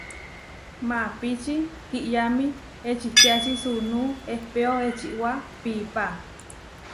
Maapíči kiʼyámi ečitiáči suunú ehpéo ečiwá piipá.